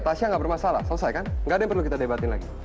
tasya nggak bermasalah selesai kan nggak ada yang perlu kita debatin lagi